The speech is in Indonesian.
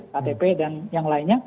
ktp dan yang lainnya